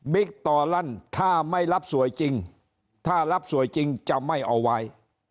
ต่อลั่นถ้าไม่รับสวยจริงถ้ารับสวยจริงจะไม่เอาไว้